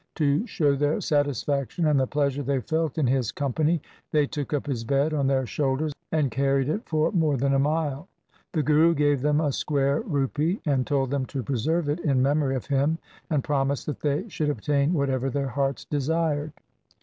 To show their satis faction and the pleasure they felt in his company, they took up his bed on their shoulders, and carried it for more than a mile. The Guru gave them a square rupee, and told them to preserve it in memory of him and promised that they should obtain what ever their hearts desired.